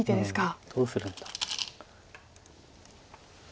どうするんだろ。